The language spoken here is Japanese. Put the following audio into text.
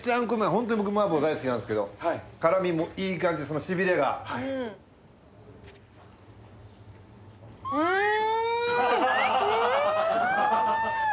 ホントに僕麻婆大好きなんですけど辛味もいい感じしびれがうん！